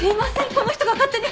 この人が勝手に。